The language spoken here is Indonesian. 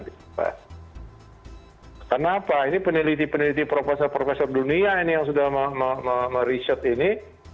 kenapa ini peneliti peneliti profesor profesor dunia ini yang sudah meriset ini